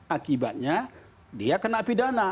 akibatnya dia kena pidana